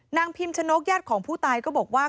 พิมชนกญาติของผู้ตายก็บอกว่า